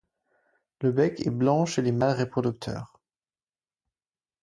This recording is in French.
Le bec est blanc chez les mâles reproducteurs.